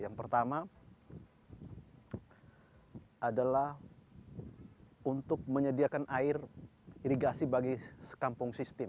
yang pertama adalah untuk menyediakan air irigasi bagi sekampung sistem